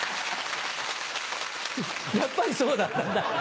やっぱりそうだったんだ。